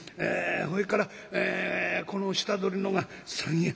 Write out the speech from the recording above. ほいからこの下取りのが３円。